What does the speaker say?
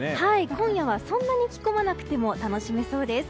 今夜はそんなに着込まなくても楽しめそうです。